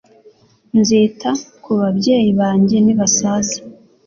Nzita ku babyeyi banjye nibasaza